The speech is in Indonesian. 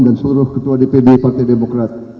dan seluruh ketua dpd partai demokrat